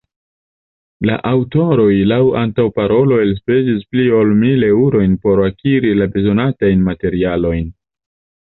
la aŭtoroj laŭ antaŭparolo elspezis pli ol mil eŭrojn por akiri la bezonatajn materialojn.